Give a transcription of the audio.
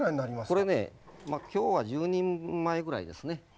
これね今日は１０人前ぐらいですね。